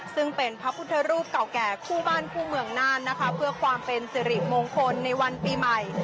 ซึ่งเป็นพระพุทธรูปเก่าแก่คู่บ้านคู่เมืองน่านนะคะเพื่อความเป็นสิริมงคลในวันปีใหม่